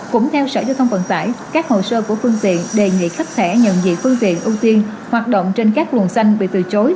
cũng theo sở giao thông vận tải các hồ sơ của phương tiện đề nghị khách sẽ nhận diện phương tiện ưu tiên hoạt động trên các luồng xanh bị từ chối